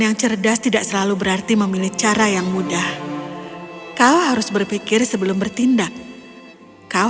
yang cerdas tidak selalu berarti memilih cara yang mudah kau harus berpikir sebelum bertindak kau